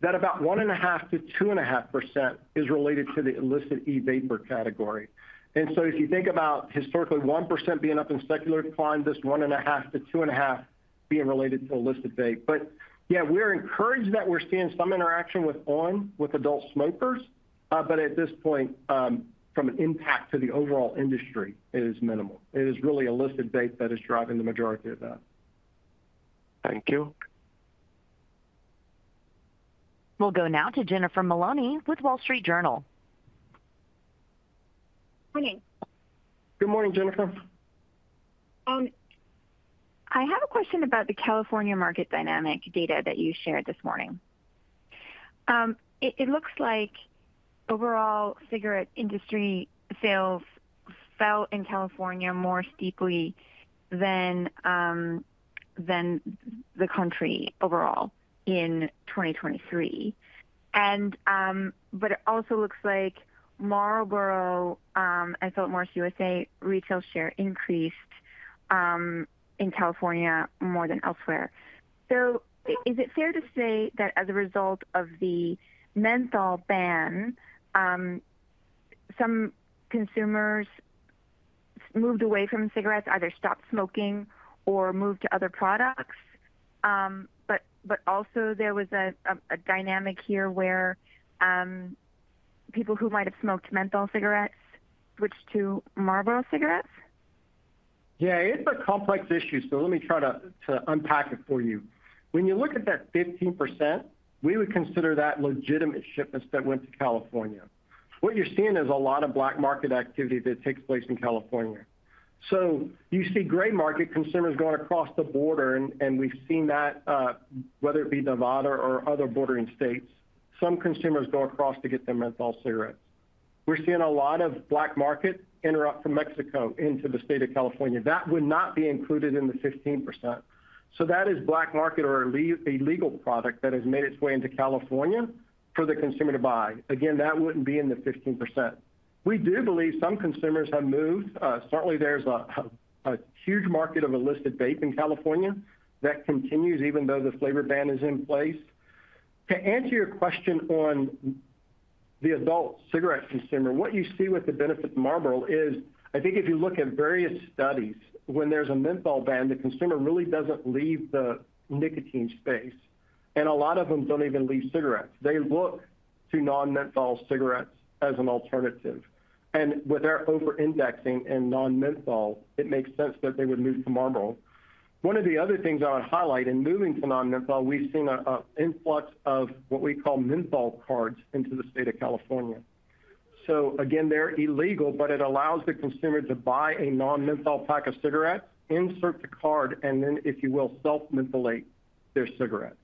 that about 1.5% to 2.5% is related to the illicit e-vapor category. And so if you think about historically, 1% being up in secular decline, this 1.5% to 2.5% being related to illicit vape. But yeah, we're encouraged that we're seeing some interaction with on! with adult smokers. But at this point, from an impact to the overall industry, it is minimal. It is really illicit vape that is driving the majority of that. Thank you. We'll go now to Jennifer Maloney with Wall Street Journal. Morning. Good morning, Jennifer. I have a question about the California market dynamic data that you shared this morning. It looks like overall cigarette industry sales fell in California more steeply than the country overall in 2023. But it also looks like Marlboro and Philip Morris USA retail share increased in California more than elsewhere. So is it fair to say that as a result of the menthol ban, some consumers moved away from cigarettes, either stopped smoking or moved to other products, but also there was a dynamic here where people who might have smoked menthol cigarettes switched to Marlboro cigarettes? Yeah, it's a complex issue, so let me try to unpack it for you. When you look at that 15%, we would consider that legitimate shipments that went to California. What you're seeing is a lot of black market activity that takes place in California. So you see gray market consumers going across the border, and we've seen that, whether it be Nevada or other bordering states, some consumers go across to get their menthol cigarettes. We're seeing a lot of black market enter up from Mexico into the state of California. That would not be included in the 15%. So that is black market or illegal product that has made its way into California for the consumer to buy. Again, that wouldn't be in the 15%. We do believe some consumers have moved. Certainly there's a huge market of illicit vape in California. That continues even though the flavor ban is in place. To answer your question on the adult cigarette consumer, what you see with the benefit of Marlboro is, I think if you look at various studies, when there's a menthol ban, the consumer really doesn't leave the nicotine space, and a lot of them don't even leave cigarettes. They look to non-menthol cigarettes as an alternative. And with our over indexing in non-menthol, it makes sense that they would move to Marlboro. One of the other things I would highlight, in moving to non-menthol, we've seen an influx of what we call menthol cards into the state of California. So again, they're illegal, but it allows the consumer to buy a non-menthol pack of cigarettes, insert the card, and then, if you will, self-mentholate their cigarettes.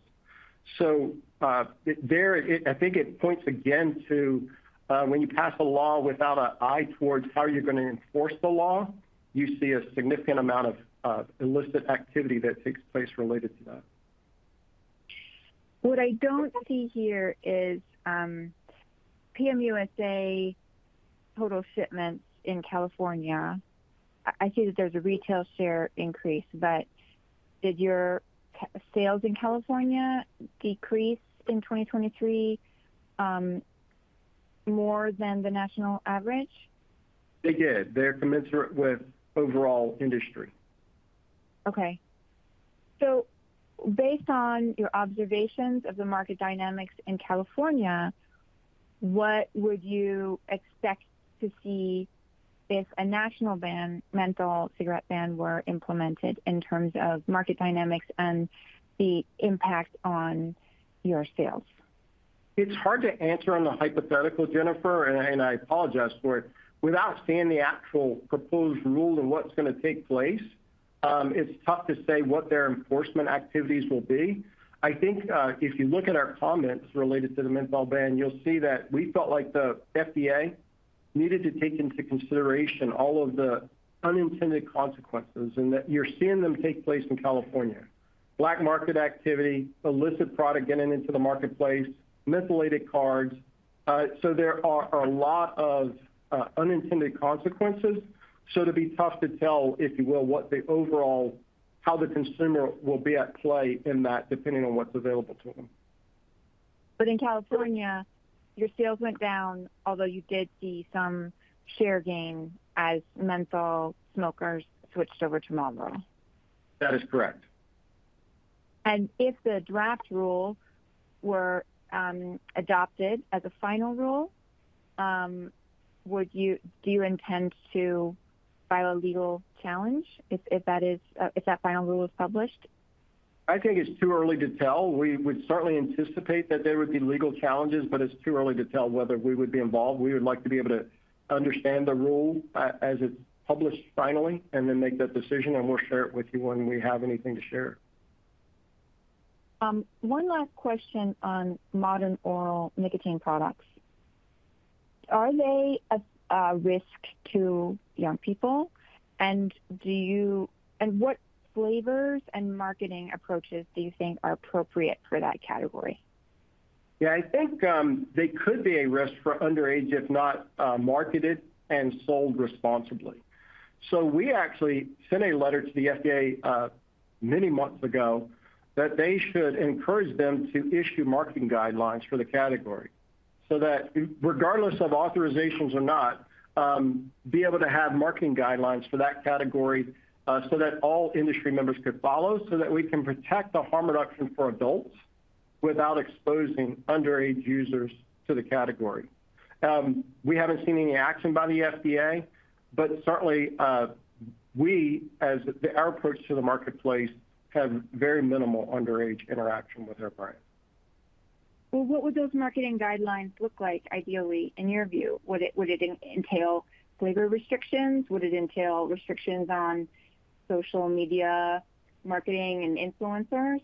So, I think it points again to when you pass a law without an eye towards how you're going to enforce the law, you see a significant amount of illicit activity that takes place related to that. What I don't see here is PM USA total shipments in California. I see that there's a retail share increase, but did your sales in California decrease in 2023 more than the national average? They did. They're commensurate with overall industry. Okay. So based on your observations of the market dynamics in California, what would you expect to see if a national ban, menthol cigarette ban, were implemented in terms of market dynamics and the impact on your sales? It's hard to answer on the hypothetical, Jennifer, and I, and I apologize for it. Without seeing the actual proposed rule and what's going to take place, it's tough to say what their enforcement activities will be. I think, if you look at our comments related to the menthol ban, you'll see that we felt like the FDA needed to take into consideration all of the unintended consequences, and that you're seeing them take place in California. Black market activity, illicit product getting into the marketplace, mentholated cigars. So there are a lot of unintended consequences. So it'll be tough to tell, if you will, what the overall, how the consumer will be at play in that, depending on what's available to them. In California, your sales went down, although you did see some share gain as menthol smokers switched over to Marlboro. That is correct. If the draft rule were adopted as a final rule, do you intend to file a legal challenge, if that is, if that final rule is published? I think it's too early to tell. We would certainly anticipate that there would be legal challenges, but it's too early to tell whether we would be involved. We would like to be able to understand the rule as it's published finally, and then make that decision, and we'll share it with you when we have anything to share. One last question on modern oral nicotine products. Are they a risk to young people? And what flavors and marketing approaches do you think are appropriate for that category? Yeah, I think, they could be a risk for underage, if not, marketed and sold responsibly. So we actually sent a letter to the FDA, many months ago, that they should encourage them to issue marketing guidelines for the category, so that regardless of authorizations or not, be able to have marketing guidelines for that category, so that all industry members could follow, so that we can protect the harm reduction for adults without exposing underage users to the category. We haven't seen any action by the FDA, but certainly, we, as our approach to the marketplace, have very minimal underage interaction with our brand. Well, what would those marketing guidelines look like, ideally, in your view? Would it entail flavor restrictions? Would it entail restrictions on social media, marketing, and influencers?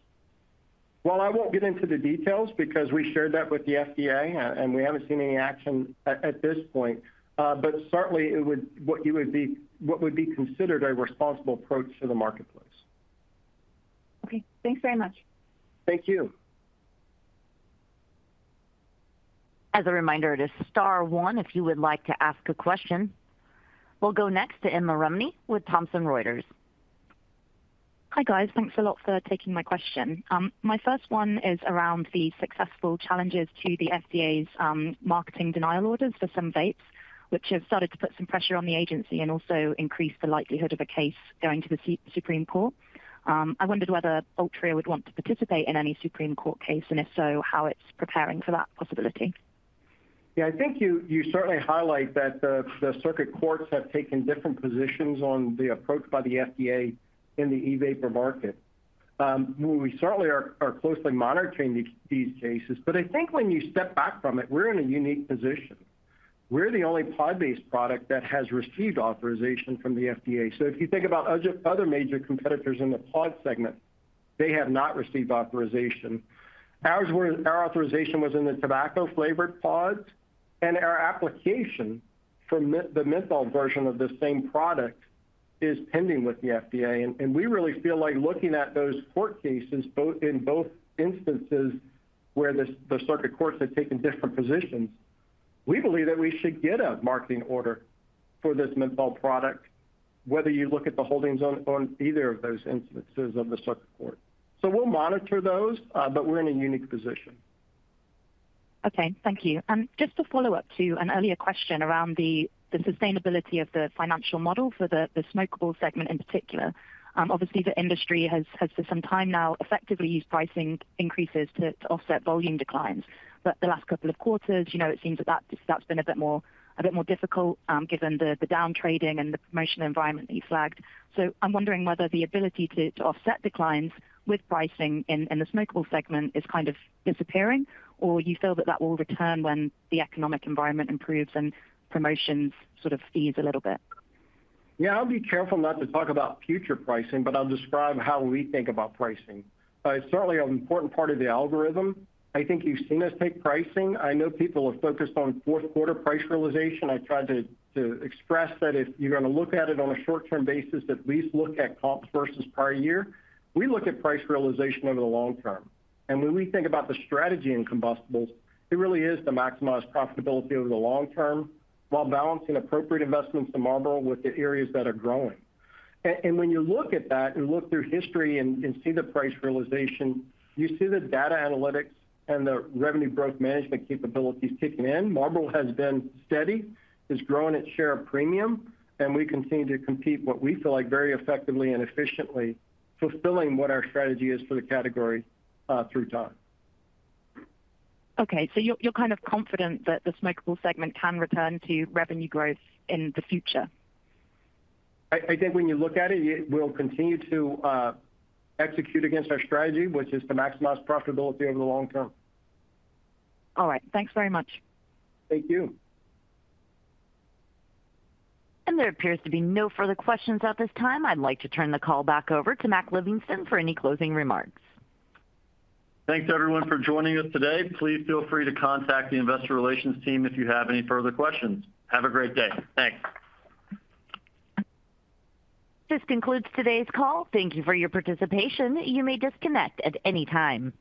Well, I won't get into the details because we shared that with the FDA, and we haven't seen any action at this point. But certainly it would be what would be considered a responsible approach to the marketplace. Okay. Thanks very much. Thank you. As a reminder, it is star one, if you would like to ask a question. We'll go next to Emma Rumney with Thomson Reuters. Hi, guys. Thanks a lot for taking my question. My first one is around the successful challenges to the FDA's marketing denial orders for some vapes, which have started to put some pressure on the agency and also increased the likelihood of a case going to the Supreme Court. I wondered whether Altria would want to participate in any Supreme Court case, and if so, how it's preparing for that possibility. Yeah, I think you certainly highlight that the circuit courts have taken different positions on the approach by the FDA in the e-vapor market. We certainly are closely monitoring these cases, but I think when you step back from it, we're in a unique position. We're the only pod-based product that has received authorization from the FDA. So if you think about other major competitors in the pod segment, they have not received authorization. Ours was, our authorization was in the tobacco-flavored pods, and our application for the menthol version of the same product is pending with the FDA. And we really feel like looking at those court cases, both in both instances where the circuit courts have taken different positions, we believe that we should get a marketing order for this menthol product, whether you look at the holdings on either of those instances of the circuit court. So we'll monitor those, but we're in a unique position. Okay, thank you. Just to follow up to an earlier question around the sustainability of the financial model for the smokeable segment in particular. Obviously, the industry has for some time now effectively used pricing increases to offset volume declines. But the last couple of quarters, you know, it seems that that's been a bit more difficult, given the down trading and the promotional environment that you flagged. So I'm wondering whether the ability to offset declines with pricing in the smokeable segment is kind of disappearing, or you feel that that will return when the economic environment improves and promotions sort of ease a little bit? Yeah, I'll be careful not to talk about future pricing, but I'll describe how we think about pricing. It's certainly an important part of the algorithm. I think you've seen us take pricing. I know people are focused on fourth quarter price realization. I tried to express that if you're gonna look at it on a short-term basis, at least look at comps versus prior year. We look at price realization over the long term. And when we think about the strategy in combustibles, it really is to maximize profitability over the long term, while balancing appropriate investments to Marlboro with the areas that are growing. And when you look at that and look through history and see the price realization, you see the data analytics and the revenue growth management capabilities kicking in. Marlboro has been steady, is growing its share of premium, and we continue to compete, what we feel like, very effectively and efficiently fulfilling what our strategy is for the category through time. Okay, so you're, you're kind of confident that the smokeable segment can return to revenue growth in the future? I think when you look at it, it will continue to execute against our strategy, which is to maximize profitability over the long term. All right. Thanks very much. Thank you. There appears to be no further questions at this time. I'd like to turn the call back over to Mac Livingston for any closing remarks. Thanks, everyone, for joining us today. Please feel free to contact the investor relations team if you have any further questions. Have a great day. Thanks. This concludes today's call. Thank you for your participation. You may disconnect at any time.